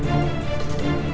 jangan pak landung